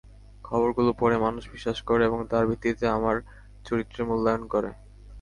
খবরগুলো পড়ে মানুষ বিশ্বাস করে এবং তার ভিত্তিতে আমার চরিত্রের মূল্যায়ন করে।